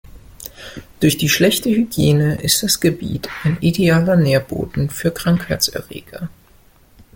Durch die schlechte Hygiene ist das Gebiet ein idealer Nährboden für Krankheitserreger.